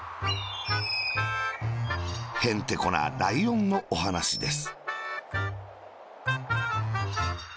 へんてこなライオンのおはなしです。